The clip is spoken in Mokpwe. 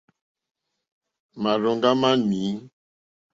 Màrzòŋɡá má nǐ.